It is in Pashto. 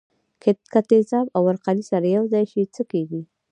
که تیزاب او القلي سره یوځای شي څه کیږي.